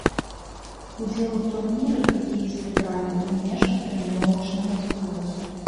Удзел у турніры хакеісты бралі ў межах трэніровачнага збору.